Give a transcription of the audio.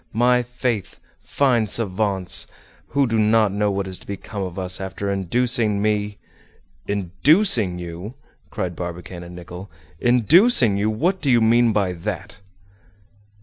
My faith! fine savants! who do not know what is to become of us after inducing me—" "Inducing you!" cried Barbicane and Nicholl. "Inducing you! What do you mean by that?"